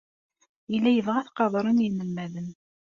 Yella yebɣa ad t-qadren yinelmaden.